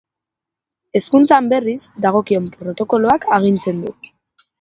Hezkuntzan, berriz, dagokion protokoloak agintzen du.